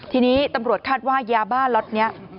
ทีนี้ตำรวจคาดว่ายาบ้าล็อตนี้